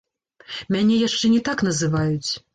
Мяне яшчэ не так называюць!